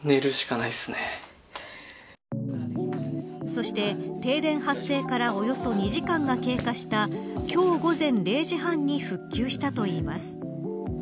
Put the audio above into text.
そして、停電発生からおよそ２時間が経過した今日午前０時半に復旧したといいます。